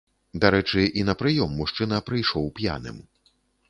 Дарэчы, і на прыём мужчына прыйшоў п'яным.